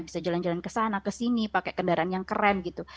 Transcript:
bisa jalan jalan ke sana kesini pakai kendaraan yang keren gitu